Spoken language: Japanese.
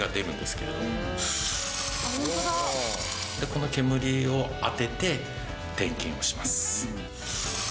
この煙を当てて点検をします。